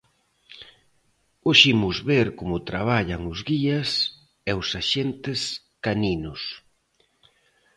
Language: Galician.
Hoxe imos ver como traballan os guías e os axentes caninos.